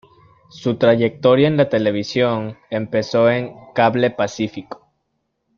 Su trayectoria en la televisión empezó en Cable Pacífico.